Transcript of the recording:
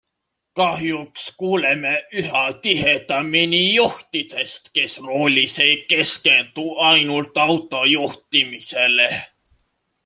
Kahjuks kuuleme üha tihedamini juhtidest, kes roolis ei keskendu ainult auto juhtimisele.